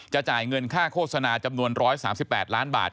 จ่ายเงินค่าโฆษณาจำนวน๑๓๘ล้านบาท